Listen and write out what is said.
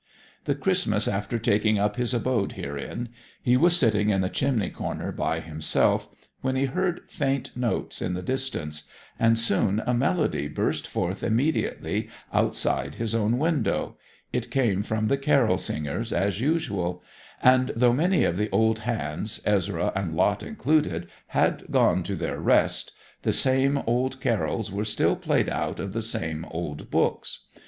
The Christmas after taking up his abode herein he was sitting in the chimney corner by himself, when he heard faint notes in the distance, and soon a melody burst forth immediately outside his own window, it came from the carol singers, as usual; and though many of the old hands, Ezra and Lot included, had gone to their rest, the same old carols were still played out of the same old books.